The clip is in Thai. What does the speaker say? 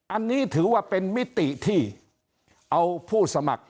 อันนี้ถือว่าเป็นมิติที่เอาผู้สมัคร